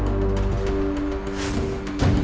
kita harus berhenti